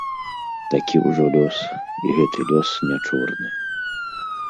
Такі ўжо лёс, і гэты лёс не чорны.